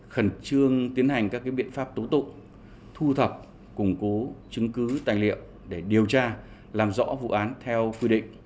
khẩn trương tiến hành các biện pháp tố tụng thu thập củng cố chứng cứ tài liệu để điều tra làm rõ vụ án theo quy định